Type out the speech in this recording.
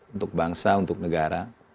untuk bangsa untuk negara